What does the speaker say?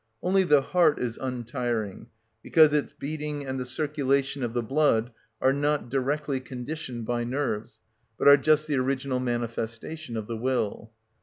Only the heart is untiring, because its beating and the circulation of the blood are not directly conditioned by nerves, but are just the original manifestation of the will.